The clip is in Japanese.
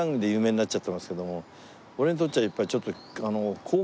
俺にとっちゃやっぱりちょっと。